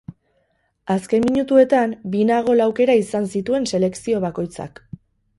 Azken minutuetan bina gol aukera izan zituen selekzio bakoitzak.